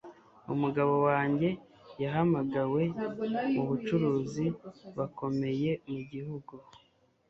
Umugabo wanjye yahamagawe mubucuruzi bakomeye mugihugu